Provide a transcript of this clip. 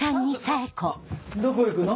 どこ行くの？